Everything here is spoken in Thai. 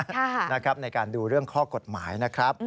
ใช่ค่ะนะครับในการดูเรื่องข้อกฎหมายนะครับ